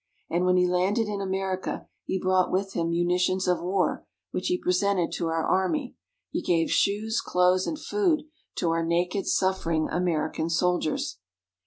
And when he landed in America, he brought with him munitions of war, which he presented to our Army. He gave shoes, clothes, and food to our naked suffering American soldiers.